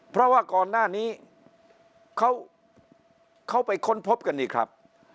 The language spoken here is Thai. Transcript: เพราะว่าก่อนหน้านี้เขาไปค้นพบกันนี่ครับ